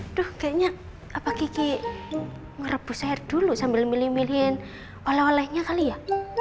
aduh kayaknya kiki merebus air dulu sambil milih milihin oleh olehnya kali ya